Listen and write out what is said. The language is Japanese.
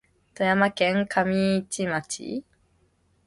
富山県上市町